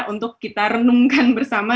untuk kita renungkan bersama